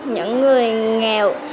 những người nghèo